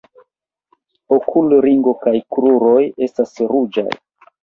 Okulringo kaj kruroj estas ruĝaj.